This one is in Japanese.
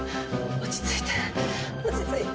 落ち着いて落ち着いて。